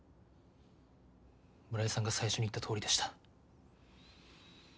村井さんが最初に言ったとおりでした。